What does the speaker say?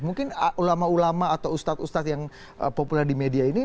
mungkin ulama ulama atau ustadz ustadz yang populer di media ini